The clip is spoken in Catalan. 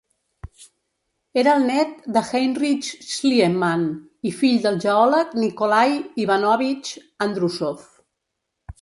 Era el net de Heinrich Schliemann i fill del geòleg Nicolai Ivanovich Andrusov.